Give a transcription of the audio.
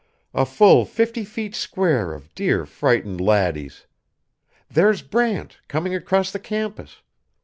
"A full fifty feet square of dear frightened laddies. There's Brant, coming across the campus.